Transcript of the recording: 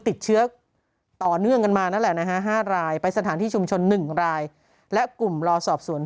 ติดเชื้อต่อเนื่องกันมานั่นแหละนะฮะ๕รายไปสถานที่ชุมชน๑รายและกลุ่มรอสอบสวน